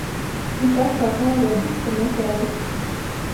Viņš atkal tēlo diska metēju.